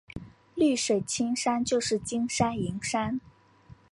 绿水青山就是金山银山